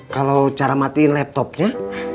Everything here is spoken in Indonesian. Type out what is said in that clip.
kalau cara matiin laptopnya